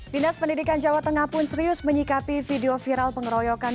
dinas pendidikan jawa tengah pun serius menyikapi video viral pengeroyokan